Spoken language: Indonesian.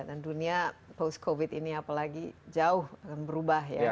dan dunia post covid ini apalagi jauh berubah ya